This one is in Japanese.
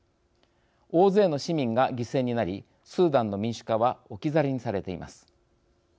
大勢の市民が犠牲になりスーダンの民主化は置き去りにされています。